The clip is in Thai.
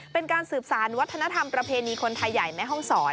เป็นการสืบสารวัฒนธรรมประเพณีคนไทยใหญ่แม่ห้องศร